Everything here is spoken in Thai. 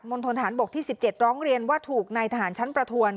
ณฑนฐานบกที่๑๗ร้องเรียนว่าถูกในทหารชั้นประทวน